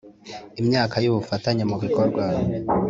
Imyaka y ubufatanye mu bikorwa